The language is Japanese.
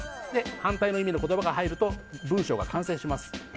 反対の意味の言葉が入ると文章が完成します。